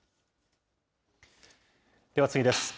では次です。